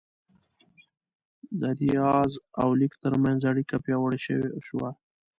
د ریاضي او لیک ترمنځ اړیکه پیاوړې شوه.